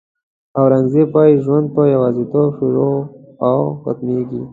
اورنګزېب وایي ژوند په یوازېتوب شروع او ختمېږي.